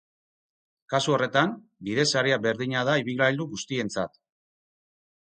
Kasu horretan, bidesaria berdina da ibilgailu guztientzat.